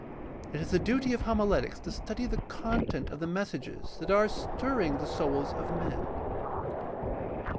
It is the duty of homiletics to study the content of the messages that are stirring the souls of men.